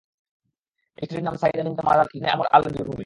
এই স্ত্রীর নাম সায়্যিদা বিনত মাদাদ ইবন আমর আল-জুরহুমী।